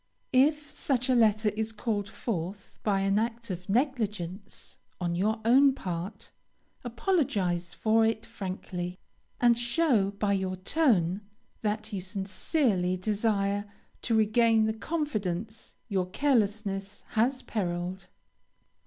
If such a letter is called forth by an act of negligence on your own part, apologize for it frankly, and show by your tone that you sincerely desire to regain the confidence your carelessness has periled.